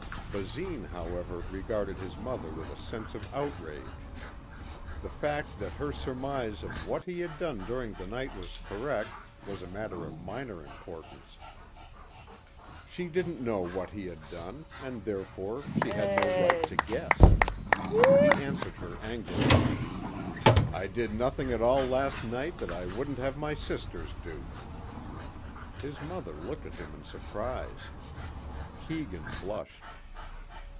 Basine, however regarded his mother with a sense of outrage. The fact that her surmise of what he had done during the night was correct was a matter of minor importance. She didn't know what he had done and therefore she had no right to guess. He answered her angrily. "I did nothing at all last night that I wouldn't have my sisters do." His mother looked at him in surprise. Keegan blushed.